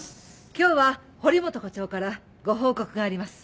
今日は堀本課長からご報告があります。